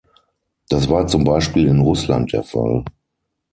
Das war zum Beispiel in Russland der Fall.